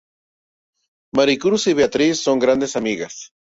Maricruz y Beatriz son grandes amigas.